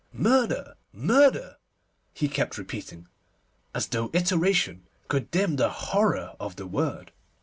'Murder! murder!' he kept repeating, as though iteration could dim the horror of the word.